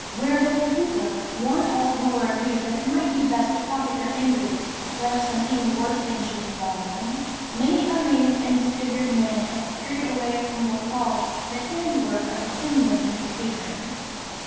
'Ware Bully Hooper!" warned all who were aggrieved that it might be best to pocket their injuries lest some even worse thing should befall them. Many a maimed and disfigured man had carried away from Vauxhall the handiwork of the Tinman and his patron.